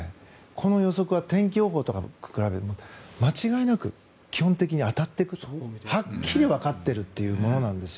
この予測は天気予報とかと比べて間違いなく基本的に当たっていくとはっきりわかっているというものなんですよ。